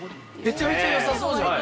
めちゃめちゃよさそうじゃない？